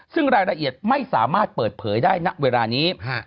ซึ่งรายละเอียดไม่สามารถเปิดเผยได้ณเวลานี้